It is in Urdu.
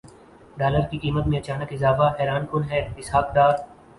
ڈالر کی قیمت میں اچانک اضافہ حیران کن ہے اسحاق ڈار